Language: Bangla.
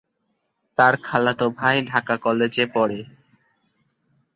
তার খালাতো ভাই ঢাকা কলেজে পড়ে।